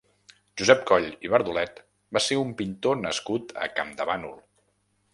Josep Coll i Bardolet va ser un pintor nascut a Campdevànol.